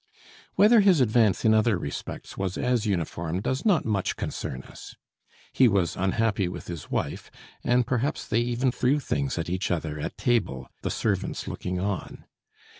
Whether his advance in other respects was as uniform does not much concern us. He was unhappy with his wife, and perhaps they even threw things at each other at table, the servants looking on.